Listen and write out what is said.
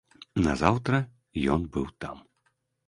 Назаўтра ён быў там.